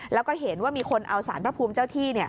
แล้วก็เห็นว่ามีคนเอาสารพระภูมิเจ้าที่